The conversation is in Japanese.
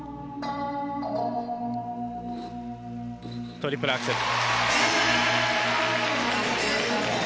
トリプルアクセル。